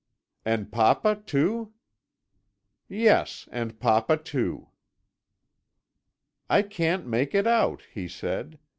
"'And papa, too?' "'Yes, and papa too.' "'I can't make it out,' he said.